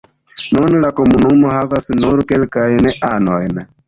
Nun la komunumo havas nur kelkajn anojn.